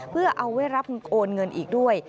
เพื่อเอาไว้รับโอนเงินอีกด้วย